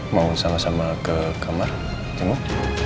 mau sama sama ke kamar jenguk